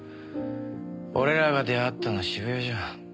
俺らが出会ったの渋谷じゃん。